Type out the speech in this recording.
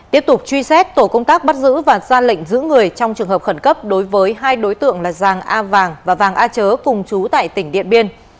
tiếp tục truy xét tổ công tác bắt giữ và ra lệnh giữ người trong trường hợp khẩn cấp đối với hai đối tượng là giàng a vàng và vàng a chớ cùng chú tại tỉnh điện biên